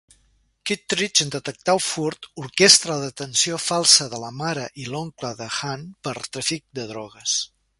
Kittridge, en detectar el furt, orquestra la detenció falsa de la mare i l'oncle de Hunt per tràfic de drogues.